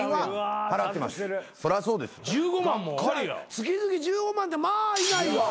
月々１５万ってまあいない。